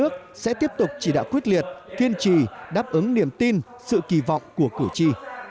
các cử tri đã quyết liệt kiên trì đáp ứng niềm tin sự kỳ vọng của cử tri